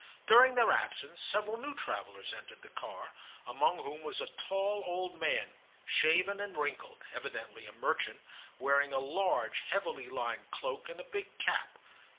During their absence several new travellers entered the car, among whom was a tall old man, shaven and wrinkled, evidently a merchant, wearing a large heavily lined cloak and a big cap.